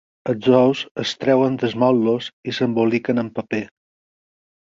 Els ous es treuen dels motlles i s'emboliquen en paper.